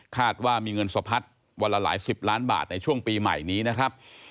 ว่ามีเงินสะพัดวันละหลายสิบล้านบาทในช่วงปีใหม่นี้นะครับ